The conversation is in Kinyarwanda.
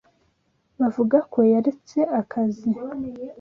Bavuga ko yaretse akazi.